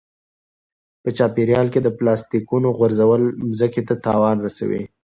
په چاپیریال کې د پلاستیکونو غورځول مځکې ته تاوان رسوي.